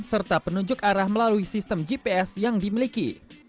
serta penunjuk arah melalui sistem gps yang dimiliki